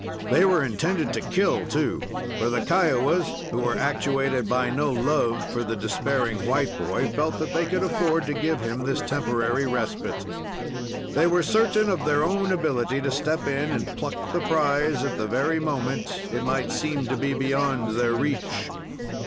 They were intended to kill, too, for the Kiowas, who were actuated by no love for the despairing white boy, felt that they could afford to give him this temporary respite. They were certain of their own ability to step in and pluck the prize at the very moment it might seem to be beyond their reach.